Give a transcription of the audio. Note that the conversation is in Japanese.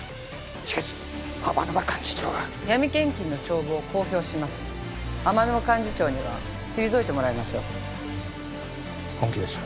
しかし天沼幹事長が闇献金の帳簿を公表します天沼幹事長には退いてもらいましょう本気ですか？